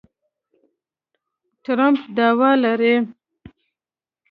ټرمپ دعوه لري